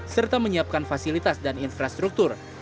serta menyiapkan fasilitas dan infrastruktur